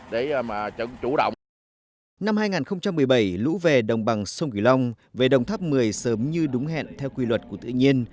năm hai nghìn một mươi bảy lũ về đồng bằng sông kỳ long về đồng tháp một mươi sớm như đúng hẹn theo quy luật của tự nhiên